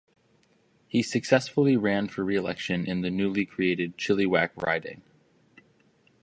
He successful ran for re-election in the newly created Chilliwack riding.